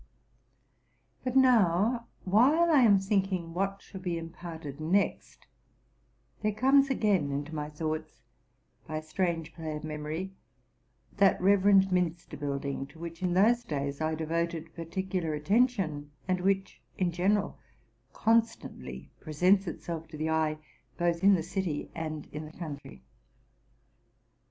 But now, while I am thinking what should be imparted next, there comes again into my thoughts, by a strange play of memory, that reverend minster building, to which in those days I devoted particular attention, and which, in general, constantly presents itself to the eye, both in the city and in the country.